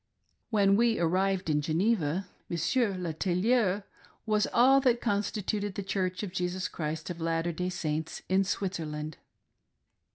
When we arrived in Geneva, Monsieur le tailleur was all that constituted the Church of Jesus Christ of Latter Day Saints in Switzerland.